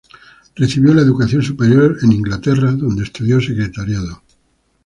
Recibió la educación superior en Inglaterra, donde estudió secretariado.